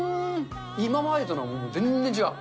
今までのとは全然違う。